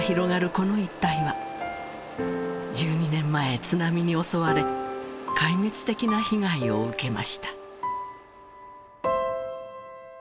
この一帯は１２年前津波に襲われ壊滅的な被害を受けました